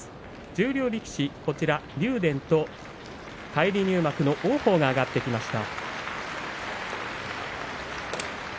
十両力士、竜電と返り入幕の王鵬が上がってきました。